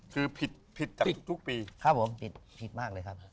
คือผิดผิดจากทุกปีครับผมผิดผิดมากเลยครับ